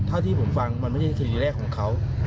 เท่าที่ผมฟังมันไม่ใช่ความคิดแรกของเขา